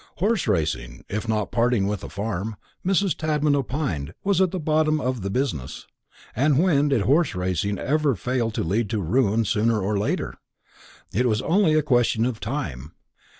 Horse racing if not parting with a farm Mrs. Tadman opined was at the bottom of the business; and when did horse racing ever fail to lead to ruin sooner or later? It was only a question of time.